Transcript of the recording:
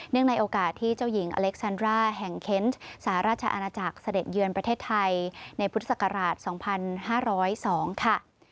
ในโอกาสที่เจ้าหญิงอเล็กซันร่าแห่งเคนสหราชอาณาจักรเสด็จเยือนประเทศไทยในพุทธศักราช๒๕๐๒ค่ะ